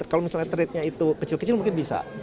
kalau misalnya tradenya itu kecil kecil mungkin bisa